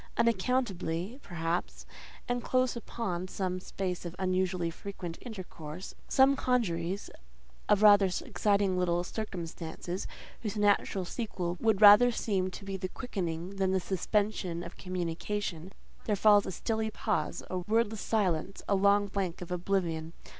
Unaccountably, perhaps, and close upon some space of unusually frequent intercourse—some congeries of rather exciting little circumstances, whose natural sequel would rather seem to be the quickening than the suspension of communication—there falls a stilly pause, a wordless silence, a long blank of oblivion.